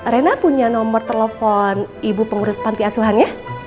rena punya nomor telepon ibu pengurus pantai asuhan ya